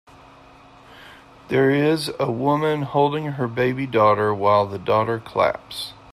There is a woman holding her baby daughter while the daughter claps.